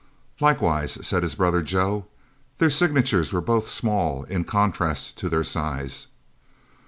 "Likewise," said his brother, Joe. Their signatures were both small, in contrast to their size.